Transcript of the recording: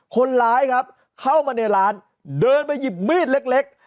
คนร้ายครับเข้ามาในร้านเดินไปหยิบมีดเล็ก